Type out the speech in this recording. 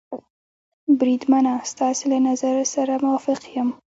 بریدمنه، ستاسې له نظر سره موافق یم.